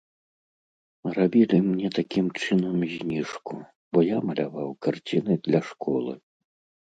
Рабілі мне такім чынам зніжку, бо я маляваў карціны для школы.